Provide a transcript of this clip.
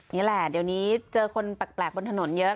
นี่แหละเดี๋ยวนี้เจอคนแปลกบนถนนเยอะ